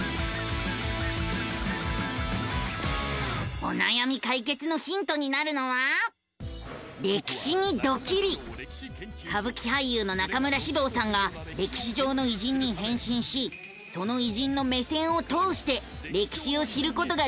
おなやみ解決のヒントになるのは歌舞伎俳優の中村獅童さんが歴史上の偉人に変身しその偉人の目線を通して歴史を知ることができる番組なのさ！